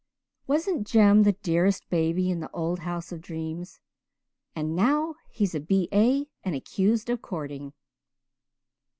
Wasn't Jem the dearest baby in the old House of Dreams? and now he's a B.A. and accused of courting."